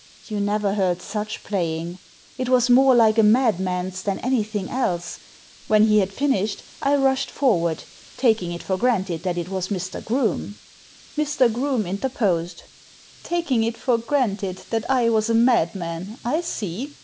You never heard such playing. It was more like a madman's than anything else. When he had finished I rushed forward, taking it for granted that it was Mr. Groome." Mr. Groome interposed. "Taking it for granted that I was a madman, I see.